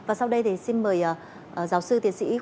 và sau đây thì xin mời giáo sư tiến sĩ